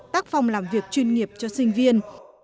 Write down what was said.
tác phong làm việc chuyên nghiệp cho sinh viên